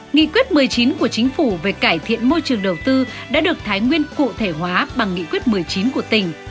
nghị quyết một mươi chín của chính phủ về cải thiện môi trường đầu tư đã được thái nguyên cụ thể hóa bằng nghị quyết một mươi chín của tỉnh